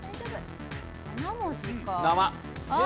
７文字か。